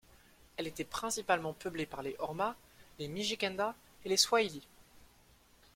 Elle était, principalement, peuplée par les Orma, les Mijikenda et les Swahili.